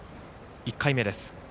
１回目です。